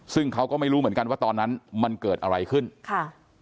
ซึ่งเขาก็ไม่รู้เหมือนกันว่าตอนนั้นมันเกิดอะไรขึ้นค่ะ